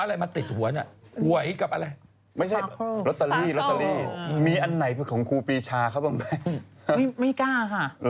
ทำไมอุ๊ยเดี๋ยวเขาคงจะไปกัน